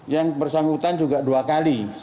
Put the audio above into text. yang bersangkutan juga dua kali